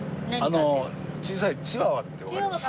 小さいチワワってわかります？